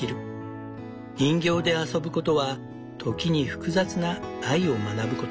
人形で遊ぶことは時に複雑な愛を学ぶこと。